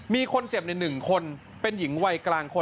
มีคนเจ็บใน๑คนเป็นหญิงวัยกลางคน